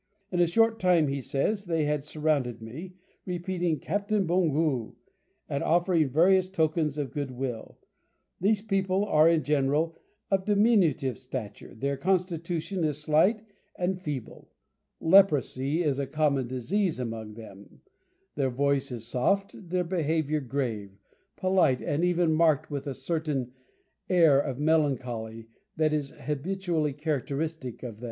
"In a short time," he says, "they had surrounded me, repeating, 'Captain, bongous,' and offering various tokens of good will. These people are, in general, of diminutive stature, their constitution is slight and feeble; leprosy is a common disease among them; their voice is soft, their behaviour grave, polite, and even marked with a certain air of melancholy that is habitually characteristic of them."